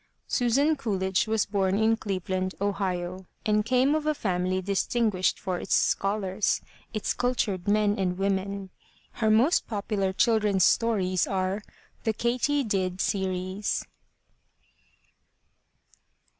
Susan Coolidge was bom in Cleveland, Ohio, and came of a family distinguished for its scholars, its cultured men and women. Her most popular children's stories are The Katy Did Series.